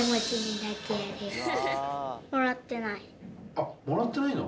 あっもらってないの？